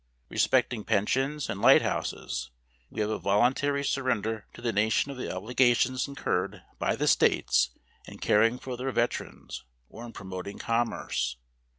Respecting pensions and light houses, we have a voluntary surrender to the nation of the obligations incurred by the States in caring for their veterans or in promoting commerce.